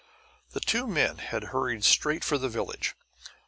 The two men had hurried straight for the village.